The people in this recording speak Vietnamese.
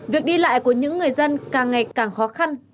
việc đi lại của những người dân càng ngày càng khó khăn